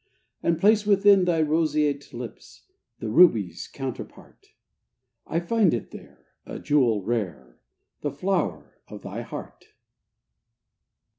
And place within thy roseate lips The rubies counterpart. I found it there A jewel rare The flower of thy heart.